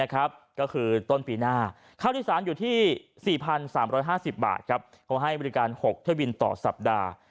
ก็คือต้นปีหน้าค่าโดยสารอยู่ที่๔๓๕๐บาทเขาให้บริการ๖เที่ยวบินต่อสัปดาห์